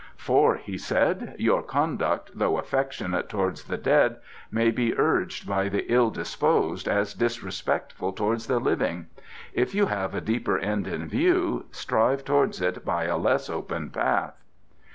"For," he said, "your conduct, though affectionate towards the dead, may be urged by the ill disposed as disrespectful towards the living. If you have a deeper end in view, strive towards it by a less open path."